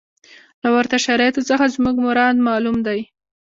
له ورته شرایطو څخه زموږ مراد معلوم دی.